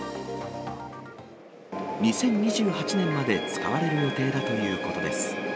２０２８年まで使われる予定だということです。